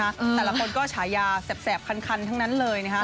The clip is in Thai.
แต่ละคนก็ฉายาแสบคันทั้งนั้นเลยนะฮะ